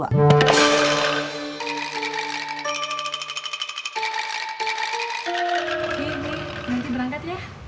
nanti berangkat ya